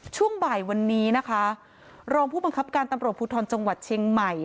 ช่วงบ่ายวันนี้นะคะรองผู้บังคับการตำรวจภูทรจังหวัดเชียงใหม่